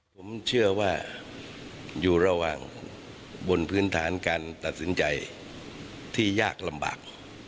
ผมเชื่อว่าอยู่ระหว่างบนพื้นฐานการตัดสินใจที่ยากลำบาก